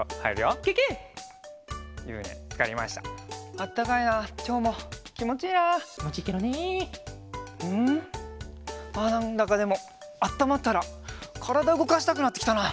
あっなんだかでもあったまったらからだうごかしたくなってきたな。